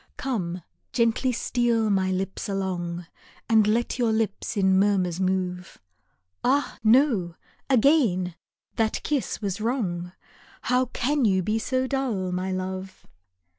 Come, gently steal my lips along, And let your lips in murmurs move, Ah, no ! again that kiss was wrong, How can you be so dull, my love